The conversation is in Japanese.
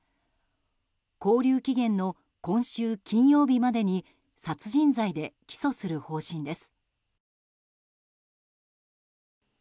勾留期限の今週金曜日までに殺人罪で起訴する方針です。